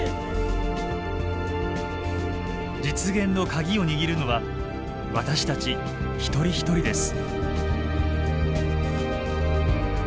実現の鍵を握るのは私たち一人一人です。